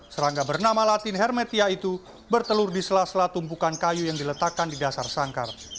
serangga bernama latin hermetia itu bertelur di sela sela tumpukan kayu yang diletakkan di dasar sangkar